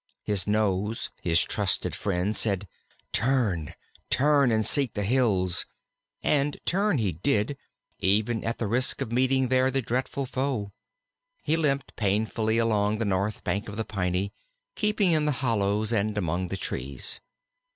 His nose, his trustiest friend, said, "Turn, turn and seek the hills," and turn he did even at the risk of meeting there the dreadful foe. He limped painfully along the north bank of the Piney, keeping in the hollows and among the trees.